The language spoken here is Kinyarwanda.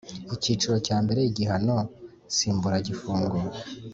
Icyiciro cya mbere Igihano nsimburagifungo